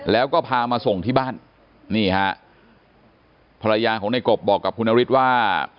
แล้วก็พามาส่งที่บ้านนี่ฮะภรรยาของในกบบอกกับคุณนฤทธิ์ว่า